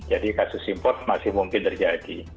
jadi kasus import masih mungkin terjadi